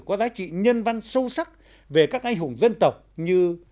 có giá trị nhân văn sâu sắc về các anh hùng dân tộc như